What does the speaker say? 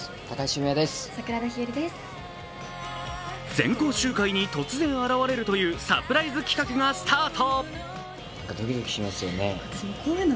全校集会に突然現れるというサプライズ企画がスタート。